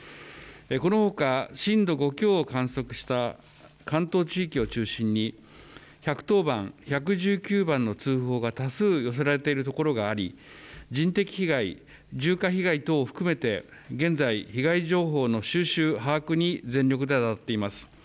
このほか震度５強を観測した関東地域を中心に１１０番、１１９番の通報が多数寄せられているところがあり人的被害住家被害等を含めて現在、被害情報の収集、把握に全力であたっています。